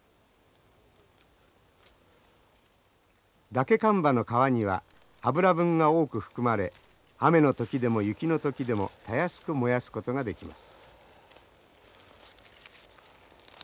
ダケカンバの皮には油分が多く含まれ雨の時でも雪の時でもたやすく燃やすことができます。